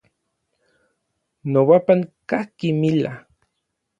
Nobapan kajki mila.